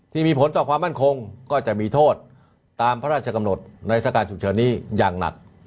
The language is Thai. ที่มีผลต่อความมั่นคงก็จะมีโทษตามพระราชกำหนดในสถานการณ์ฉุกเฉินนี้อย่างหนัก